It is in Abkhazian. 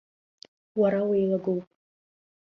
Уара уеилагоуп.